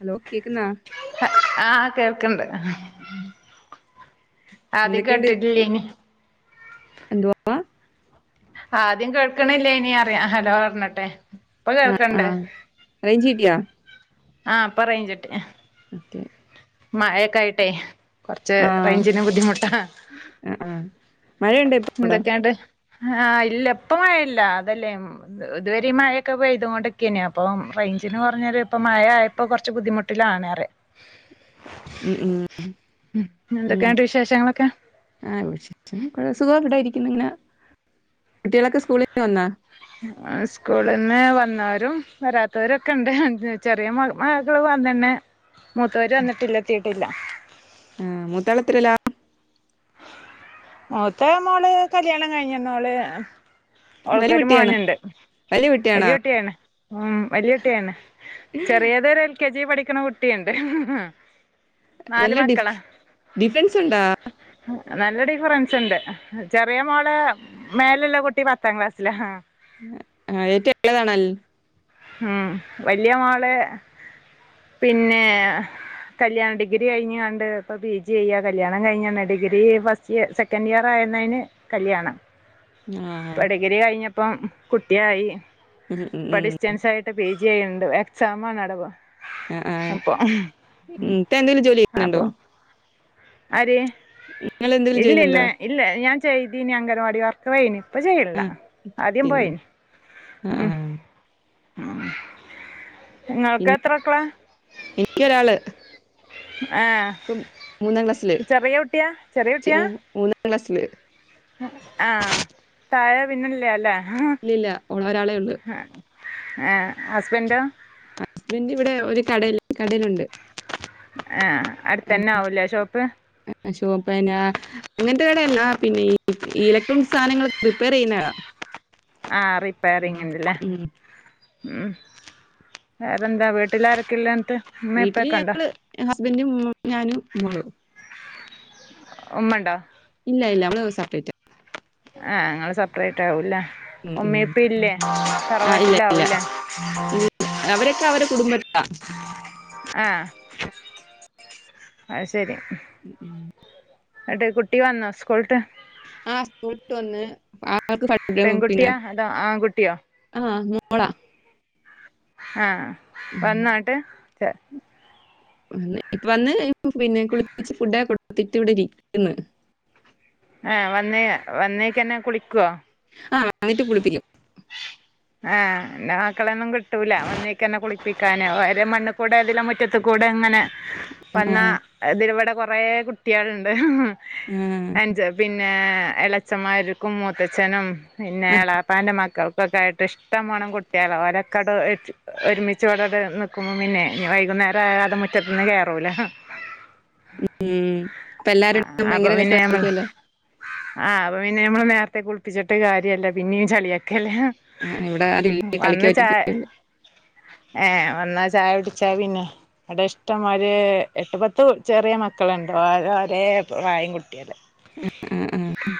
Hello കേക്കുന്നാ ആഹ് കേൾക്കിണ്ട് ആദ്യ എന്തൊക്കെയുണ്ട് കേട്ടിട്ടില്ലേ ഇനി എന്തുവാ ആദ്യം കേൾക്കണില്ലേ ഇനി അറിയാ ഹലോ പറഞ്ഞട്ടേ ഇപ്പൊ കേൾക്കണ്ടേ റേഞ്ച് കിട്ടിയാ ആഹ് പറയിൻ ചിട്ടെ ഓക്കെ മഴയൊക്കായിട്ടേ കൊറച്ച് ആ റേഞ്ചന് ബുദ്ധിമുട്ടാ ആ ആ മഴയുണ്ടോ ഇപ്പൊ അവിടെ എന്തൊക്കെയാണ്ട് ആഹ് ഇല്ലപ്പ മഴയില്ലാ അതല്ലേ ഉം ഇതുവരെ ഈ മഴയൊക്കെ പെയ്തോണ്ടിക്കേന് അപ്പൊ റേഞ്ചിന് പറഞ്ഞാല് ഇപ്പം മഴയായപ്പോ കൊറച്ച് ബുദ്ധിമുട്ടിലാണ്റ്യാ ഉം ഉം ഉം പിന്നാ എന്തൊക്കെയാണ്ട് വിശേഷങ്ങളൊക്കെ ആഹ് [unintelligible] കുറേ സുഗോ ഇവിടെ ഇടാരിക്ക്ന്ന്‌ ഇങ്ങനെ കുട്ടികളൊക്കെ സ്കൂളിൽ വന്നാ സ്കൂളിന്ന് വന്നോരും വരാത്തവരൊക്കെ ഇണ്ട് എന്ത് ചെറിയമക- മകള് വന്നണെ മൂത്തവര് വന്നിട്ടില്ലാ എത്തീട്ടില്ല ആഹ് മുതളത്രേല്ലാ മുത്ത മോള് കല്യാണം കഴിഞ്ഞണവള് വലിയ ഓൾക്കൊര് കുട്ടിയാണ് മോനിണ്ട് വലിയ കുട്ടിയാണോ വലിയുട്ടിയാണ് ഉം വലിയൊട്ടിയാണ് ചെറിയതൊരെൽ- കെ ജി പഠിക്കണ കുട്ടിയൊണ്ട് നാല് നല്ല ഡിഫ് മക്കളാ ഡിഫൻസ് ഉണ്ടാ നല്ലടി ഫ്രണ്ട്സിണ്ട് ചെറിയ മോള് മേലൊള്ള കുട്ടി പത്താം ക്ലാസ്സിലാ ആഹ് ഏറ്റവും എളയതാണൽ ഉം വല്ല്യ മാള് പിന്നെ കല്യാൺ ഡിഗിരി കഴിഞ്ഞ ആണ്ട് ഇപ്പ പി ജി ചെയ്യാനല്ലേ കല്യാണം കഴിഞ്ഞന്ന് ഡിഗിരി ഫസ് റ്റിയ സെക്കൻഡ് ഇയർ ആയുന്നേന്ന് കല്യാണം ആ ഇപ്പ ഡിഗിരി കഴിഞ്ഞപ്പം കുട്ടിയായി [unintelligible] ഡിസ്‌റ്റൻസായിട്ട് പി ജി ചെയ്യണ്ട് എക്സാമണവടിപ്പോ ആ ആ ഉം, അപ്പൊ ഇത്ത എന്തെങ്കിലും ജോലി ചെയ്യുന്നുണ്ടോ അപ്പൊ ആര് നിങ്ങൾ എന്തെങ്കിലും ചെയ്യുന്നുണ്ടോ ഇല്ലില്ലാ ഇല്ലാ ഞാൻ ചെയ്യ്തീന് അങ്ക്നാവാടി വർ വൈയിനി ഇപ്പ ആ ചെയണില്ല ഇപ്പ ആദ്യം ചെയ്യുന്നു പോയിന് ആ ആ ഉം ഇങ്ങൾക്ക് പിന്നെ എത്രക്കളാ എനിക്കൊരാള് ആഹ് ഇപ്പം മൂന്നാം ക്ലാസ്സില് ചെറിയയുട്ടിയാ ചെറിയുട്ടിയാ ന്നാസില് ആഹ് താഴെ പിന്നെല്ലേ അല്ലേ ഇല്ലില്ലാ ഓളൊരാളെ ഉള്ളു ആഹ് ഹസ്ബൻഡോ ഹസ്ബൻഡ് ഇവടെ ഒരു കടേല് കടേലുണ്ട് ആഹ് അടുത്തന്നെ ആവൂലേ ഷോപ്പ് അ ഷോപ്പയിനാ അങ്ങനത്തെ കടയല്ല പിന്നെ ഈ ഈ ഇലക്ട്രോണിക് സാധനങ്ങള് റിപ്പയറ് ചെയ്യുന്ന കട ആഹ് റിപ്പയറിങ്ങിന്റെ ല്ലേ ഉം ഉം വേറെന്താ വീട്ടിലാരൊക്കെല്ലേൻത്ത് വീട്ടില് ഞങ്ങള് ഹസ്ബന്റും ഞാനും മോളും ഉമ്മണ്ടോ ഇല്ല ഇല്ല നമ്മള് സപ്രേറ്റാ ആഹ് ങ്ങള് സെപ്പറേറ്റ് ആവൂല്ലേ ഉം ഉം ഉമ്മീപ്പീമ്മ് ഇല്ലേ ആ ഇല്ല ഇല്ല തറവാട്ടിലാവൂല്ലേ അവരൊക്കെ അവരെ കുടുംബത്താ ആഹ് അയ്സെരി ഉം ഉം ന്നട്ട് കുട്ടി വന്നോ സ്കൂള്ട്ട് ആഹ് സ്കൂളിട്ട് വന്ന് [unintelligible] പെൺകുട്ടിയാ അതോ ആൺകുട്ടിയോ ആഹ് മോളാ ആഹ് ഉം. വന്നോട്ട് വന്ന് ഇപ്പ വന്ന് പിന്നെ കുളിപ്പിച്ച് ഫുടൊക്കെ കൊടുത്തിട്ട് ഇവിടെ ഇരിക്കുന്ന്‌ ആഹ് വന്നെ വന്നേക്കന്നെ കുളിക്കുവോ ആഹ് വന്നിട്ട് കുളിപ്പിക്കും ആഹ് ഇന്റെ മക്കളെയൊന്നും കൂട്ട് കിട്ടൂല വന്നേക്കന്നെ കുളിപ്പിക്കാന് ഓരേ മണ്ണ് കൂടെ ഇതിലെ മുറ്റത്ത്ക്കൂടെ അങ്ങനെ ആ വന്നാ ഇതിലവിടെ കൊറേ കുട്ട്യാളിണ്ട് ആ അൻജ പിന്നെ എളാച്ചമ്മാർക്കും മൂത്തച്ഛനും ആ. പിന്നെ എളാപ്പാന്റെ മക്കൾ ക്കെ ആയിട്ട് ഇഷ്ട്ടം പോണം കുട്ട്യാളാ ഓരൊക്കെട് ഒരുമിച്ചിവിടട് നിക്കുമ്പോ പിന്നെ ഇനി വൈകുന്നേരാവാതെ മുറ്റത്ത്ന്ന് കേറൂല ഉം ഇപ്പല്ലാ ആഹ് [unintelligible] അപ്പൊ ഭയങ്കര പിന്നെ ഞമ്മള് രസമായിരിക്കുവല്ലോ ആഹ് അപ്പൊ പിന്നെ നമ്മള് നേരത്തെ കുളിപ്പിച്ചിട്ട് കാര്യല്ല പിന്നെയും ചളിയാക്കല്ലേ ആഹ് ഇവിടെ ആരൂല്ല കളിക്കാൻ വന്ന് ചായ ഒറ്റക്കോള്ളൂ ഏഹ് വന്നാ ചായ കുടിച്ചാ പിന്നെ അവിടെ ഇഷ്ടംമാരി എട്ടുപത്ത് ചെറിയ മക്കളുണ്ടോ ഓര് ഒരേ പ്രായം കുട്ടിയാള് ആഹ് ആഹ് ആഹ്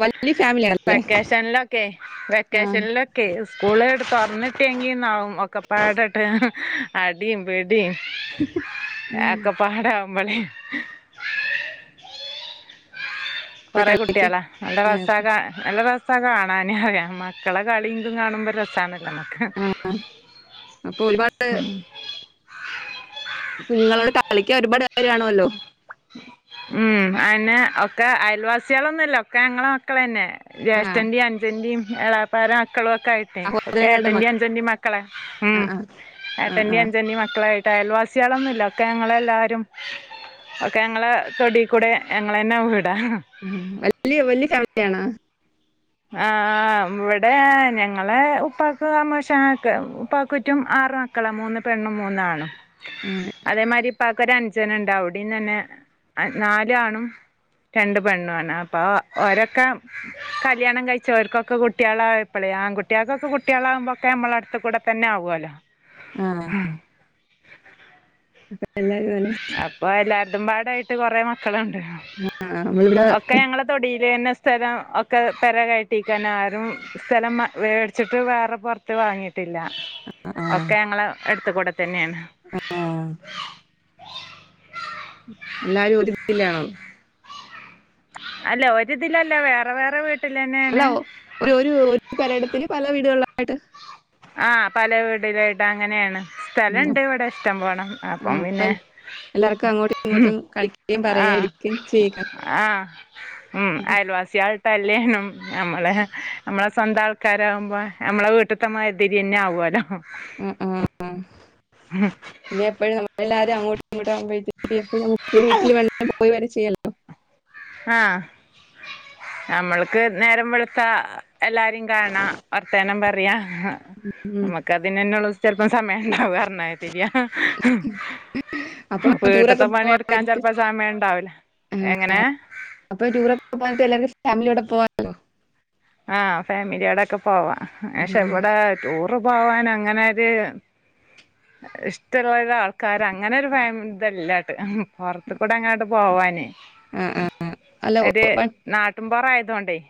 വൽ വല്യ ഫാമിലിയാ വെക്കേഷനിലൊക്കെ വെക്കേഷനിലൊക്ക് ക്കെ സ്കൂള് ഇങ്ങട് തൊറന്നിട്ടെങ്കിന്നാവും ഒക്കെ പാടങ്ങട്ട് അടീം പിടീം [unintelligible] പാടാവുമ്പളെ അപ്പൊ കൊറേ കളിക്ക് കുട്ട്യാളാ നല്ല ആ, രസാ അപ്പൊ- കാ നല്ല രസാ കാണാന് പറയാ മക്കളെ കളീം ഇതും കാണുമ്പോ രസാണല്ലോ ഇമ്മക്ക് അപ്പൊ ഒരുപാട് ആഹ് ഉം കുഞ്ഞുങ്ങളോട് കളിക്കാൻ ഒരുപാട് പേര് കാണുവല്ലോ ഉം അയന്നെ ഒക്കെ അയൽവാസ്യളൊന്നു അല്ല ഒക്കെ ഞങ്ങളെ മക്ക് ക്കളെന്നെ ആ ജ്യേഷ്ഠന്റേം അൻജന്റിം എളാപ്പാരേ മക്കളൊക്കെ ആയി [unintelligible] ഒക്കെ സഹോദരങ്ങളുടെ ഏട്ടന്റേം മക്കൾ. അൻജന്റേം മക്കളാ ആ ഉം ആ ആ ആ ആ. ഏട്ടന്റേം അൻജന്റേം മക്കളായി ട്ട് അയൽവാസ്യാളൊന്നുല്ല ഒക്കെ ഞങ്ങളെല്ലാരും ഒക്കെ ഞങ്ങളെ തൊടിക്കൂടെ ഞങ്ങളെന്നെ വീടാ ആഹ് വല്യ വല്യ ഫാമിലിയാണാ? ആഹ് ഇവിടെ ഞങ്ങളെ ഉപ്പാക്ക് അമ്മോശാനൊക്കൊ ഉപ്പാക്കുറ്റും ആറ് മക്ക ക്കളാ മൂന്ന് പെണ്ണും മൂന്നാണും [unintelligible] അതേമാരി ഇപ്പാക്കൊരു അൻജന്ണ്ട് ഇണ്ട് അവിടേം തന്നെ നാലാണും രണ്ട് പെണ്ണുവാണ് അപ്പാ ഒരൊക്കെ കല്യാണം കഴിച്ച് ഓര്ക്കൊക്കെ കുട്ട്യാള് ആയപ്പളെ ആൺകുട്ടിയാൾക്കെക്കെ കുട്ട്യാളാവുമ്പോക്കെ നമ്മളെ അടുതു കൂടെ തന്നെ ആവോല്ലോ ആഹ് ആ അപ്പ എന്താ പോലെ അപ്പൊ എല്ലാരതും പാടായിട്ട് കൊറെ മക്കളുണ്ട് ആ, നമ്മളിവിടെ ആ ഒക്കെ ഞങ്ങള് തൊടിലെന്നെ സ്ഥലം ഒക്കെ പെര കയറ്റിക്കാണ് ആരും സ്ഥലം മ വേടിച്ചിട്ട് വേറെ പൊറത്ത് ത്ത് വാങ്ങിയിട്ടില്ല ആ, ഒക്കെ ഞങ്ങളെ അടുത്ത് കൂടെ തന്നെയാണ് ആ. [inaudible] എല്ലാരും ഒരു [unintelligible] അല്ല ഒരിതിലല്ല വേറെ വേറെ അല്ല വീട്ടിലെന്നെയാണ് ഒ- ഒരു ഒര് പെരയെടത്തില് പല വീടുകളിലായിട്ട് ആഹ് പല വീടിലായിട്ട് അങ്ങനെയാണ് സ്ഥലണ്ട് ഉം. ഇവിടെ ഇഷ്ട്ടം പോണം അപ്പം ആ, അപ്പൊ പിന്നെ എല്ലാവർക്കും അങ്ങോട്ടും ഇങ്ങോട്ടും കളിക്കുകയും പറയുകയും ആഹ് എടുക്കുകയും ചെയ്യുക ആഹ് ഉം ആയൽവാസിയാള് ത്തല്ലേനും നമ്മളെ നമ്മളെ സ്വന്തം ആൾക്കാരാകുമ്പോ ഞമ്മളെ വീട്ട്ത്തെ മാരി തിരി തന്നെ ആവോല്ലോ ഉം ഉം ഉം ഉം പിന്നെ എപ്പഴും നമ്മളെല്ലാരും അങ്ങോട്ടും ഇങ്ങോട്ടു ആവുമ്പഴ്ത്തിന് [unintelligible] പോയ് വെരെ ചെയ്യാല്ലോ ആഹ് നമ്മൾക്ക് നേരം വെളുത്താ എല്ലാരേം കാണാ വർത്താനം പറയാ. ഉം. നമുക്ക് അതിനെന്നൊള്ളു ചെലപ്പം സമയണ്ടാവ [unintelligible] ശരിയാ അപ്പൊ വീട്ട്ത്തെ ടൂറൊക്കെ പോവാൻ പണിട്ക്കാൻ നേരത്ത് ചെൽപ്പൊ സമയണ്ടാവൂല. എങ്ങനേ? അപ്പൊ [unintelligible] ആഹ് ഫാമിലിയാളൊക്കെ പോവാ. പക്ഷെ ഉം. ഇവടെ ടൂറ് പോവാനങ്ങനൊര് ഇഷ്ടള്ളൊരാൾക്കാരങ്ങനെ ഒരു ഫാമ് ഇതല്ല പൊർത്ത്ക്കുടെ അങ്ങനട്ട് പോവാനേ അല്ല ഓ, ഒര് വ- നാട്ട്ൻപൊറായതോണ്ടെയ്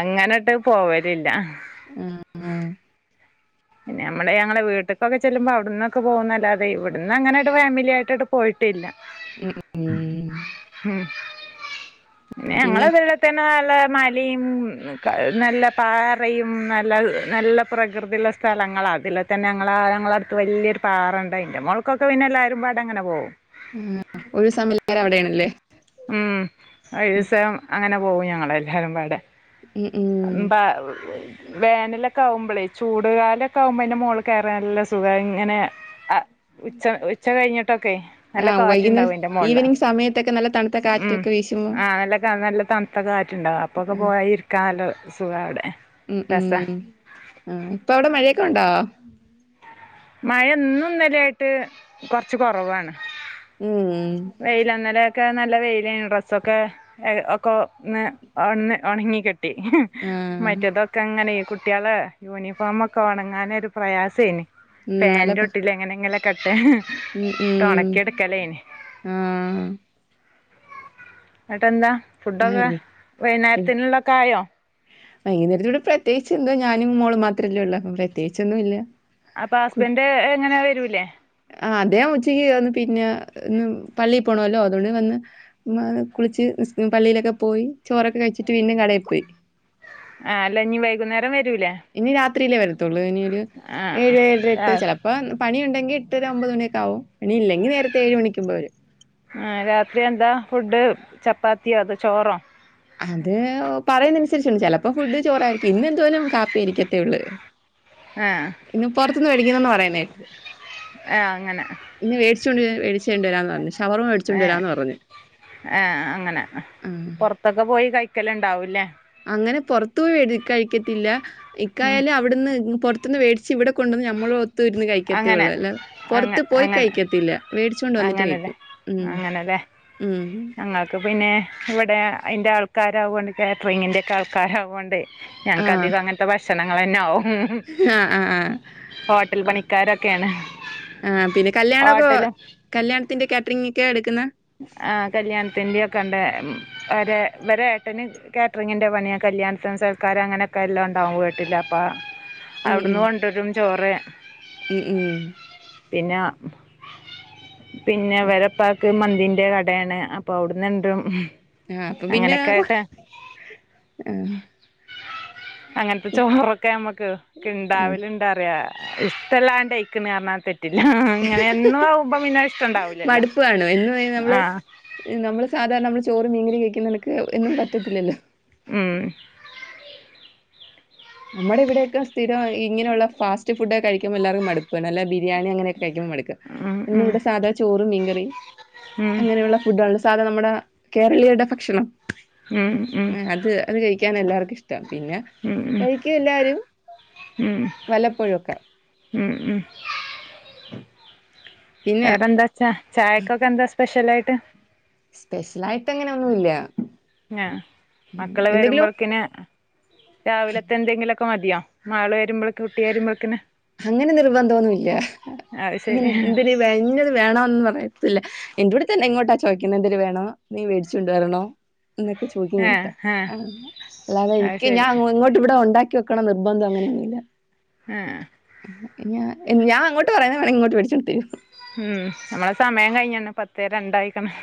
അങ്ങനട്ട് പോവലില്ല. ഉം ഉം ഞമ്മള് ഞങ്ങളെ വീട്ട്ക്കൊക്കെ ചെല്ലുമ്പൊ അവ്ട്ന്നൊക്കെ പോകുന്നല്ലാതെ, ഇവിട്ന്നങ്ങനട്ട് ഫാമിലിയായിട്ട് പോയിട്ടില്ല. ഉം. ഉം. ഉം പിന്നെ ഞങ്ങള് [unintelligible] നല്ല മലിം, ക നല്ല പാറയും, നല്ല നല്ല പ്രകൃതിള്ള സ്ഥലങ്ങളാ. അതില് തന്നെ ഞങ്ങളാ ഞങ്ങളട്ത്ത് വല്യൊര് പാറണ്ട്. അയ്ന്റെ മോൾക്കൊക്കെ പിന്നെ എല്ലാരുംപാടങ്ങനെ പോവും. ആഹ് ഒരു [unintelligible] അവിടേണല്ലേ ഉം ഒരീസം അങ്ങനെ പോകും ഞങ്ങള് എല്ലാരും പാടെ ഉം. ഉം. [unintelligible] വേനലൊക്കാവുമ്പളേ, ചൂട് കാലൊക്കെ ആവുമ്പൊ അയ്ന്റെ മോളാ കേറാൻ നല്ല സുഖാ, ഇങ്ങനെ അ ഉച്ച ഉച്ച കഴയ്ഞ്ഞ്ട്ടൊക്കെ ആ നല്ല കാറ്റ്ണ്ടാവും വൈകുന്നേരം അയ്ന്റെ മോൾല്. ഈവനിങ് സമയത്തൊക്കെ നല്ല തണുത്ത ഉം കാറ്റൊക്കെ വീശുമ്പോ ആഹ് നല്ല കാ നല്ല തൺത്ത കാറ്റ്ണ്ടാവും അ അപ്പൊക്കെ ഉം. പോയിരിക്കാലോ സുഖാ അവ്ടെ. ഉം ഉം ആഹ്, ഇപ്പ അവിടെ മഴയൊക്കെ ഉണ്ടോ? മയ ഇന്നും ഇന്നലായ്ട്ട് കൊർച്ച് കൊറവാണ്. ഊം വെയില, ഇന്നലെയൊക്കെ നല്ല വെയിലേനു, ഡ്രസ്സൊക്കെ ഒക്കെ ഒന്ന് ഒന്ന് ഉണങ്ങി കി ട്ടി. ആ മറ്റേതൊക്കങ്ങനെയ് കു ട്ട്യാളെ യൂണിഫോമൊക്കെ ഒണങ്ങാനൊരു പ്രയാസേനി. ഉം, ഫാൻന്റോട്ടിലെങ്ങനെങ്കി ലൊക്കെട്ട് മ് മ് ആഹ് എന്നിട്ടെന്താ ആ, ഫുഡൊക്കെ ഇവിടെ വൈന്നേരത്തിനുള്ളതൊക്കെ ആയോ വൈകുന്നേരത്തിനിവിടെ പ്രത്യേകിച്ച് എന്താ ഞാനും മോളും മാത്രല്ലേ ഉള്ളൂ അപ്പൊ പ്രത്യേകിച്ചൊന്നും ഇല്ല അപ്പൊ കു ഹസ്ബൻഡ് എങ്ങനാ വരൂല്ലേ ആഹ് അദ്ദേഹം ഉച്ചയ്ക്ക് വന്ന് പിന്നെ ഇന്ന് പള്ളീ പോണല്ലോ അതുകൊണ്ട് വന്ന് ഉമ്മാനെ കുളിച്ച് പള്ളിലൊക്കെ പോയി ചോറൊക്കെ കഴിച്ചിട്ട് പിന്നേം കടേ പോയി ആഹ് അല്ലെങ്കി വൈകുന്നേരം വരൂലെ ഇനി രാത്രിയിലേ വരത്തൊള്ള് ഇനി ഒരു ഏഴ് ഏഴര ആ എട്ട് ചെ - ഇപ്പ പണിയുണ്ടെങ്കി എട്ടര ഒമ്പത് മണിയൊക്കെ ആവും പണിയില്ലെങ്കി നേരത്തെ ഏഴ് മണിക്കുമ്പെ വെരും ആഹ് രാത്രി എന്താ ഫുഡ് ചപ്പാത്തിയോ അതോ ചോറൊ അത് പറയുന്നനുസരിച്ചാണ് ചെലപ്പോ ഫുഡ് ചോറായിരിക്കും ഇന്നെന്തായാലും കാപ്പി ആരിക്കത്തേ ഉള്ള് ആ ഇന്ന് പൊറത്തുന്ന് മേടിക്കുന്നെന്ന് പറയുന്നെ ആ അങ്ങനെ ഇന്ന് വേടിച്ചോണ്ടര വേടിച്ചോ ണ്ടരാന്ന് പറഞ്ഞ് ശ് ഷവർമ ഏ വേടിച്ചൊണ്ടരാന്ന് പറഞ്ഞ് ആ അങ്ങനെ ഉം പുറത്തൊക്കെ പോയി കഴിക്കലുണ്ടാവും ലെ അങ്ങനെ പൊറത്തു പോയി വേടി കഴിക്കത്തില്ല ഉം ഇക്കായാലും അവിടുന്ന് പൊറ ട്ടെന്ന് മേടിച്ച് ഇവടെ കൊണ്ടന്ന് ഞമ്മളൊ ത്തുരുന്ന് കഴിക്കത്തെ അങ്ങനെ ഒള്ളൂ അല്ലാതെ അങ്ങ പൊറത്തു പോയി അങ്ങനെ കഴിക്കത്തില്ല വേടിച്ച് കൊണ്ട് വന്നിട്ട് അങ്ങനെല്ലേ കഴിക്കും ഉം ഉം ഒക്കെ പിന്നെ ഇവിടെ അയ്ൻ്റെ ആൾക്കാരാവൊണ്ട് കാറ്റ്റിങ്ങിൻ്റെ ഒക്കെ ആൾക്കാരാവൊണ്ടെ ഞങ്ങക്ക് അധികം അങ്ങൻത്തെ ഭക്ഷണങ്ങളന്നെ ആവും ഹ്അ ആഹ് ആഹ് ഹോട്ടൽ ആഹ് പണിക്കാരൊക്കെയാണ് ആഹ് പിന്നെ കല്യാണോക്ക ഹോട്ടലും കല്യാണത്തിന്റെ കാറ്ററിങ്ങ്ക്കെ എടുക്ക്ന്ന ആഹ് കല്യാണത്തിന്റെ ഒക്കെണ്ട് വരെ വരെ ഏട്ടന് കേറ്ററിങ്ങിന്റെ പണിയ കല്യാണത്തിനും സൽക്കാരം അങ്ങനെയൊക്കെ എല്ലാം ണ്ടാവും വീട്ടില്ലാപ്പ ഉം ഉം അവിടന്ന് കൊണ്ടരും ചോറ് ഉം ഉം പിന്ന പിന്ന ഇവരെ ഉപ്പാക്ക് മ ന്തിന്റെ കടയേണ് അപ്പൊ അവിടന്ന് എന്തും ആഹ് അപ്പൊ പിന്നെ കൊഴ ആഹ് അങ്ങനത്തെ ചോറൊക്കെ നമ്മുക്ക് ആഹ് കിണ്ടാവലുണ്ടാറിയ ഇഷ്ട്ടല്ലാണ്ടയിക്കണ പറഞ്ഞ തെ ട്ടില്ല അങ്ങനെ എന്നു ആവുമ്പം പിന്നെ അത് ഇഷ്ടുണ്ടാവൂലല്ലോ മടുപ്പ് കാണും എന്നും നമ്മള് ആഹ് നമ്മള് സാധാരണ നമ്മള് ചോറും മീങ്കറീം കഴിക്കുന്ന കണക്ക് എന്നും പറ്റത്തില്ലല്ലൊ ഉം നമ്മുടെ ഇവിടെയൊക്കെ സ്ഥിരം ഇങ്ങനെയുള്ള ഫാസ് ഫുഡ് ഒക്കെ കഴിക്കുമ്പൊ എല്ലാർക്കും മടു ഇപ്പൊ നല്ല ബിരിയാണി അങ്ങനെയൊക്കെ കഴിക്കുമ്പൊ മടുക്കും ഉം ഇന്ന് ഉം ഇവിടെ സാധാ ചോറുംമീങ്കറീം ഉം ഉം അങ്ങനെയുള്ള ഫുഡൊള്ള സാധനം നമ്മടെ കേരളീയരുടെ ഭക്ഷണം ഉം അത് അത് കഴിക്കാനാ എല്ലാർക്കും ഇഷ്ട പിന്നെ ഉം ഉം കഴിക്കും എല്ലാരും ഉം വല്ലപ്പോഴൊക്കെ ഉം ഉം പിന്നെ വേറെന്താച്ചാ ചായക്കൊക്കെ എന്താ സ്പെഷ്യലായിട്ട് സ്പെഷ്യലായിട്ട് അങ്ങനെ ഒന്നുല്ല ആഹ് മക്കള് എന്തെങ്കിലും വരുമ്പോഴക്കിന് രാവിലത്തെ എന്തെങ്കിലൊക്കെ ക്കെ മതിയൊ മാള് വരുമ്പളൊക്കെ കുട്ടി വരുമ്പഴ്ക്ക്ന് അങ്ങനെ നിർബന്ധോന്നുല്ല അത് ഇങ്ങനെ ശരി എന്തിര് ഇന്നത് വേണോന്ന് പറയത്തില്ല എന്റെ കൂടെ തന്നെ ഇങ്ങോട്ടാ ചോദിക്കുന്നേ എന്തെര് വേണോ മീൻ മേടിച്ചോണ്ട് വരണോ എന്നൊക്കെ ചോദിക്കും ആഹ് ഇങ്ങോട്ട് ആഹ് അല്ലാതെ അത് എനിക്ക് ശരി ഞാൻ ഇങ്ങോട്ട് ഇവിടെ ഒണ്ടാ ക്കിവെക്കണം നിർബന്ധം അങ്ങനെയൊന്നൂല്ല ആഹ് ആഹ് ഞ ഞാൻ അങ്ങോട്ട് പറയുന്നെ വേണേ ഇങ്ങോട്ട് മേടിച്ചോണ്ട് തരും ഉം ഞമ്മളെ സമയം കയ്ഞ്ഞ്ണ്, പത്തേ രണ്ടായ്ക്ക്ണ്.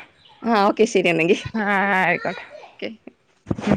ആഹ് ഓക്കെ ശരിയെന്നെങ്കി, ആയിക്കോട്ടെ ഓക്കെ ഉം